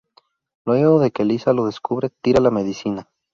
Luego de que Lisa lo descubre tira la medicina.